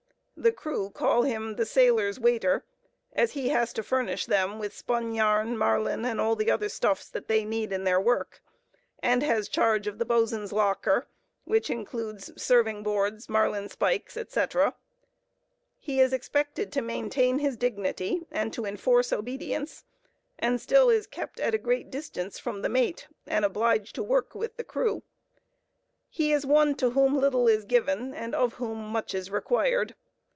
The crew call him the "sailor's waiter," as he has to furnish them with spun yarn, marline, and all other stuffs that they need in their work, and has charge of the boatswain's locker, which includes serving boards, marline spikes, etc. He is expected to maintain his dignity and to enforce obedience, and still is kept at a great distance from the mate, and obliged to work with the crew. He is one to whom little is given and of whom much is required.